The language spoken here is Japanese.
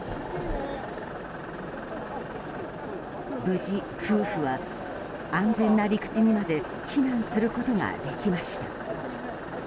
無事、夫婦は安全な陸地にまで避難することができました。